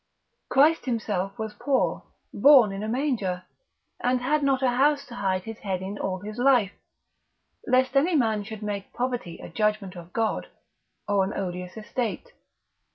Christ himself was poor, born in a manger, and had not a house to hide his head in all his life, lest any man should make poverty a judgment of God, or an odious estate.